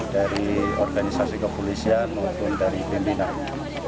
dari organisasi kepolisian maupun dari pimpinannya